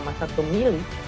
maka ikan yang kita milih